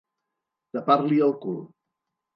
Tapar-li el cul.